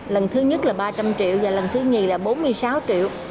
lần thứ nhất là ba trăm linh triệu và lần thứ nhì là bốn mươi sáu triệu